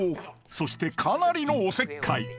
そしてかなりのおせっかい